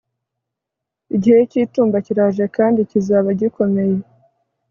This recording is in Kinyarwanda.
Igihe cyitumba kiraje kandi kizaba gikomeye